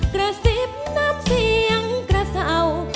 กระสิบน้ำเสียงกระเสา